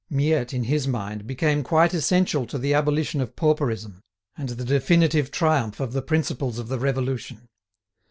Miette, in his mind, became quite essential to the abolition of pauperism and the definitive triumph of the principles of the Revolution.